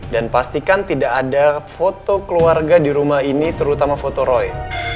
dan pastikan tidak ada foto keluarga di rumah ini terutama foto roy